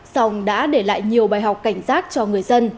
song đã để lại nhiều bài học cảnh giác cho người dân